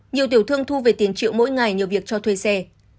nhiều tiểu thương thu về tiền triệu mỗi ngày nhờ việc cho thuê xe